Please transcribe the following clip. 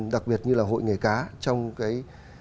đặc biệt như là hội nghề cá trong cái